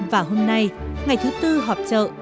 và hôm nay ngày thứ tư họp trợ